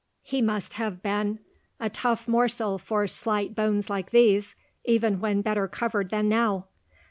He must have been a tough morsel for slight bones like these, even when better covered than now.